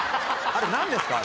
あれ何ですか？